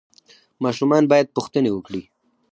ماشومان باید پوښتنې وکړي.